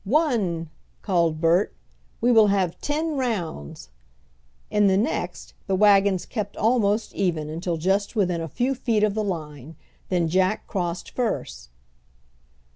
"One!" called Bert. "We will have ten rounds." In the next the wagons kept almost even until just within a few feet of the line, then Jack crossed first.